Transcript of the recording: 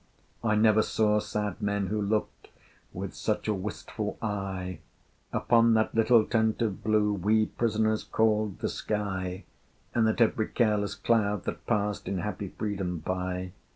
I never saw sad men who looked With such a wistful eye Upon that little tent of blue We prisoners called the sky, And at every careless cloud that passed In happy freedom by.